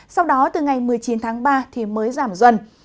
sau đó từ ngày một mươi chín tháng ba thì mới giảm dần